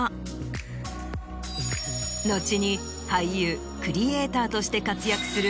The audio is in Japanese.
後に俳優クリエイターとして活躍する。